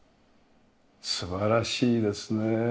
素晴らしいですね。